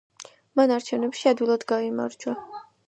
მან არჩევნებში ადვილად გაიმარჯვა.